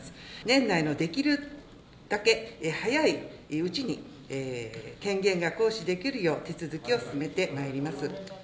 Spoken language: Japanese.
年内のできるだけ早いうちに、権限が行使できるよう、手続きを進めてまいります。